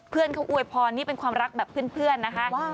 เพื่อนเขาอวยพรนี่เป็นความรักแบบเพื่อนนะคะ